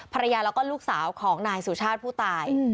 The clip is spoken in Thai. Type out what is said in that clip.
ภรรยาแล้วก็ลูกสาวของนายสุชาติผู้ตาย